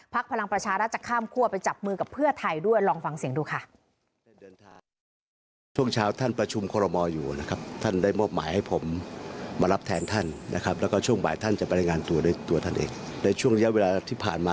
ภาคพลังประชาราชจะข้ามคั่วไปจับมือกับเพื่อไทยด้วย